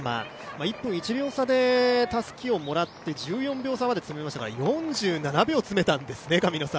１分１秒差でたすきをもらって、１４秒差まで詰めましたので４７秒詰めたんですね。